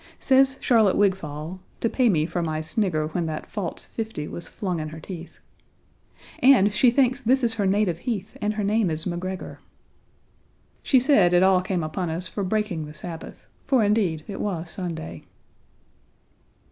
Says Charlotte Wigfall (to pay me for my snigger when that false fifty was flung in her teeth), "and she thinks this is her native heath and her name is McGregor." She said it all came upon us for breaking the Sabbath, for indeed it was Sunday.